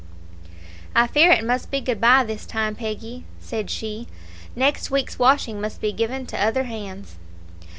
"I fear it must be good bye this time, Peggy," said she; "next week's washing must be given to other hands."